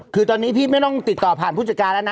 คือตอนนี้พี่ไม่ต้องติดต่อผ่านผู้จัดการแล้วนะ